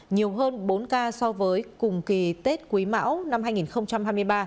nhiều hơn bốn ca so với cùng kỳ tết quý mão năm hai nghìn hai mươi ba